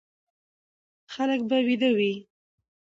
خلک به ويده وي،